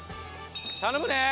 頼むね！